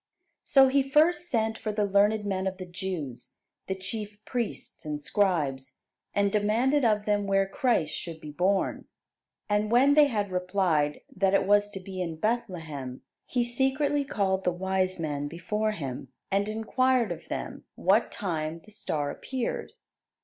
So he first sent for the learned men of the Jews, the chief priests and scribes, and demanded of them where Christ should be born; and when they had replied that it was to be in Bethlehem, he secretly called the wise men before him, and inquired of them what time the star appeared.